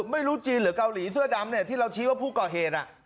ไม่รู้จีนหรือเกาหลีเสื้อดำที่เราชี้ว่าผู้ก่อเหตุ